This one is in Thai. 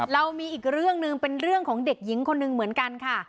เรามีอีกเรื่องหนึ่งเป็นเรื่องของเด็กหญิงคนหนึ่งเหมือนกันค่ะ